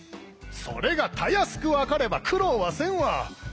それがたやすく分かれば苦労はせんわ！